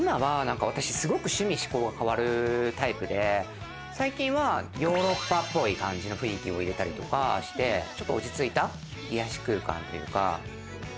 すごく私、趣味嗜好が変わるタイプで最近はヨーロッパっぽい感じの雰囲気を入れたりとかして落ち着いた癒し空間というか。